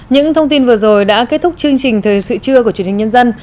những thông tin vừa rồi đã kết thúc chương trình thời sự trưa của truyền hình nhân dân